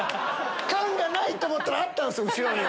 「かん」がないと思ったらあったんすよ後ろに。